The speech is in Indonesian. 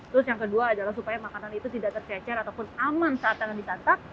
terus yang kedua adalah supaya makanan itu tidak tercecer ataupun aman saat tangan disantap